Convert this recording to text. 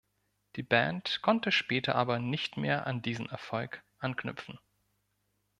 Die Band konnte später aber nicht mehr an diesen Erfolg anknüpfen.